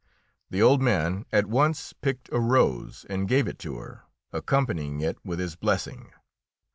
The old man at once picked a rose and gave it to her, accompanying it with his blessing.